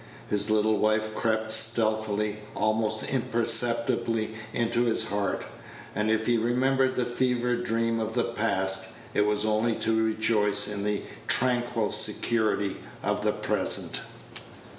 His little wife crept stealthily, almost imperceptibly into his heart; and if he remembered the fever dream of the past, it was only to rejoice in the tranquil security of the present.